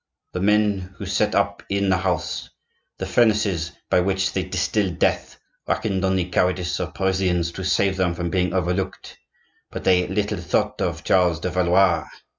The men who set up in that house the furnaces by which they distil death, reckoned on the cowardice of Parisians to save them from being overlooked; but they little thought of Charles de Valois!